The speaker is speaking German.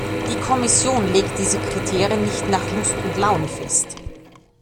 Die Kommission legt diese Kriterien nicht nach Lust und Laune fest.